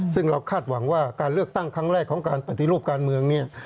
ซึ่งเราคาดหวังว่าการเลือกตั้งครั้งแรกของการปฏิรูปการเมืองเนี่ย